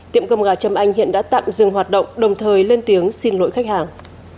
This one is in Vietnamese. tiệm cơm gà châm anh hiện đã tạm dừng hoạt động đồng thời lên tiếng xin lỗi khách hàng